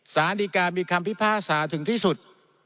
สารดีกามีคำพิพากษาถึงที่สุด